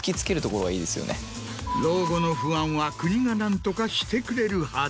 老後の不安は国が何とかしてくれるはず。